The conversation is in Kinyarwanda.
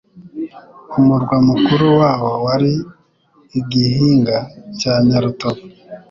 umurwa mukuru wabo wari i Gihinga cya Nyarutovu.